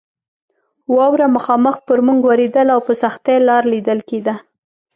واوره مخامخ پر موږ ورېدله او په سختۍ لار لیدل کېده.